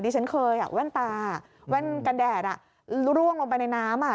ที่ฉันเคยแว่นตาแว่นกันแดดร่วงลงไปในน้ำ